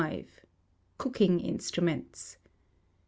1025. Cooking Instruments.